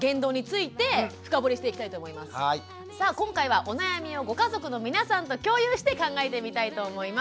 さあ今回はお悩みをご家族の皆さんと共有して考えてみたいと思います。